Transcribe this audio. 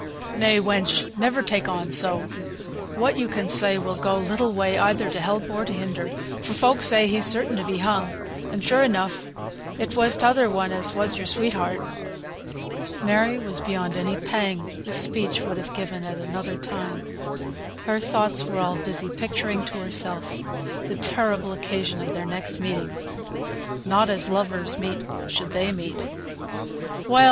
"Nay, wench, never take on so. What yo can say will go little way either to help or to hinder, for folk say he's certain to be hung; and sure enough it was t'other one as was your sweetheart." But Mary was beyond any pang this speech would have given at another time. Her thoughts were all busy picturing to herself the terrible occasion of their next meeting not as lovers meet should they meet! "Well!"